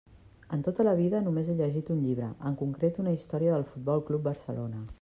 En tota la vida només he llegit un llibre, en concret una història del Futbol Club Barcelona.